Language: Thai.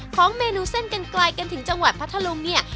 ของเมนูเส้นกันไกลกันถึงจังหวัดพัทธลุงเนี่ย